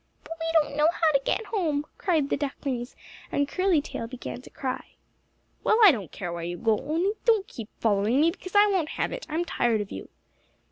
"But we don't know how to get home," cried the ducklings, and Curly Tail began to cry. "Well, I don't care where you go, only don't keep following me because I won't have it. I'm tired of you."